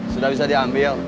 sudah bisa diambil